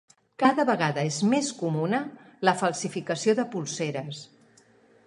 Cada vegada és més comuna la falsificació de polseres.